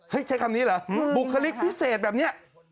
ใช้คำนี้เหรอบุคลิกพิเศษแบบนี้